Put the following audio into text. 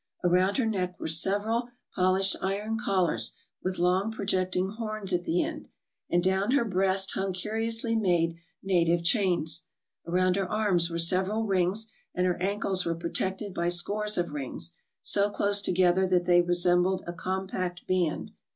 Around her neck were several polished iron collars with long projecting horns at the end, and down her breast hung curiously made 346 TRAVELERS AND EXPLORERS native chains. Around her arms were several rings, and her ankles were protected by scores of rings, so close to gether that they resembled a compact band.